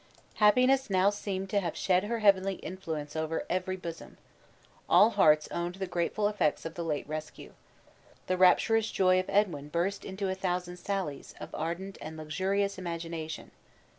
Happiness now seemed to, have shed her heavenly influence over every bosom. All hearts owned the grateful effects of the late rescue. The rapturous joy of Edwin burst into a thousand sallies of ardent and luxurious imagination.